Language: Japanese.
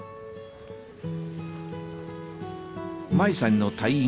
麻衣さんの退院